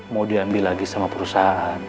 mau diambil lagi sama perusahaan